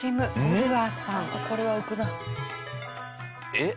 えっ？